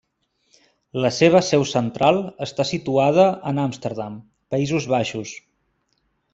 La seva seu central està situada en Amsterdam, Països Baixos.